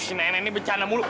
si nenek ini bencana muluk